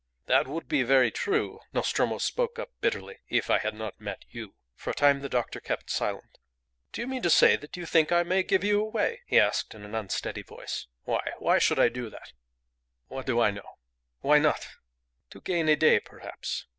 "That would be very true," Nostromo spoke up, bitterly, "if I had not met you." For a time the doctor kept silent. "Do you mean to say that you think I may give you away?" he asked in an unsteady voice. "Why? Why should I do that?" "What do I know? Why not? To gain a day perhaps.